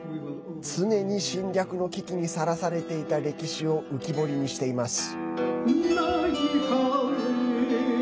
常に侵略の危機にさらされていた歴史を浮き彫りにしています。